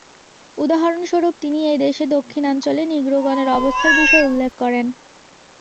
উদাহরণস্বরূপ তিনি এই দেশের দক্ষিণাঞ্চলে নিগ্রোগণের অবস্থার বিষয় উল্লেখ করেন।